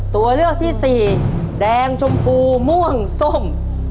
ตัวเลือกที่สี่แดงชมพูม่วงส้ม